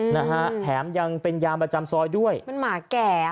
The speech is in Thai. และยังเป็นยามประจำซ้อยด้วยเป็นหมาแก่ค่ะ